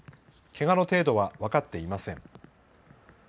けがの程度は分かっていません。